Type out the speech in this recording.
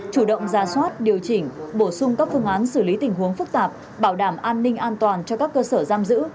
chủ động ra soát điều chỉnh bổ sung các phương án xử lý tình huống phức tạp bảo đảm an ninh an toàn cho các cơ sở giam giữ